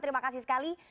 terima kasih sekali